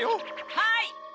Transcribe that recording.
はい。